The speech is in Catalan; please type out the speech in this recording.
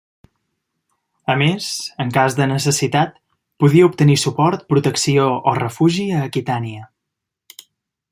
A més, en cas de necessitat, podia obtenir suport, protecció o refugi a Aquitània.